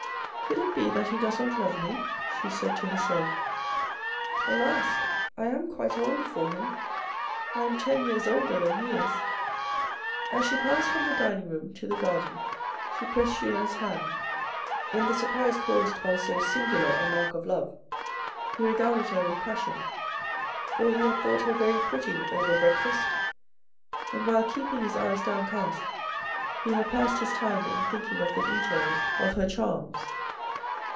Could it be that he does not love me ? she said to herself. Alas ! I am quite old for him. I am ten years older than he is." 94 THE RED AND THE BLACK As she passed from the dining room to the garden, she pressed Julien's hand. In the surprise caused by so singular a mark of love, he regarded her with passion, for he had thought her very pretty over breakfast, and while keeping his eyes downcast he had passed his time in thinking of the details of her charms.